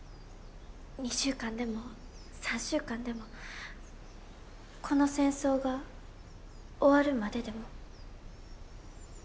２週間でも３週間でもこの戦争が終わるまででも。